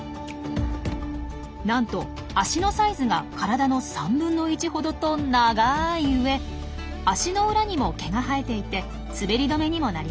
なんと足のサイズが体の３分の１ほどと長いうえ足の裏にも毛が生えていて滑り止めにもなります。